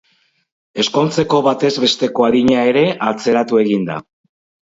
Ezkontzeko batez besteko adina ere atzeratu egin da.